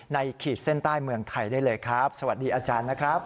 ขีดเส้นใต้เมืองไทยได้เลยครับสวัสดีอาจารย์นะครับ